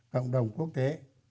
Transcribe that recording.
cộng đồng quốc tế